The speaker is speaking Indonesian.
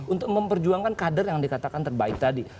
untuk memperjuangkan kader yang dikatakan terbaik tadi